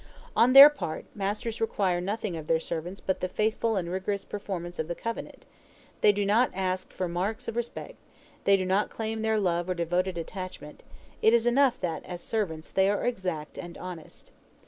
On their part, masters require nothing of their servants but the faithful and rigorous performance of the covenant: they do not ask for marks of respect, they do not claim their love or devoted attachment; it is enough that, as servants, they are exact and honest.